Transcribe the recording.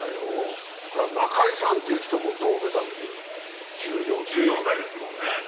中井さんという人も銅メダルで１４歳。